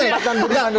dan berikan dulu